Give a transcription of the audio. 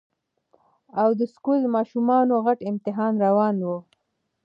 او د سکول ماشومانو غټ امتحان روان وو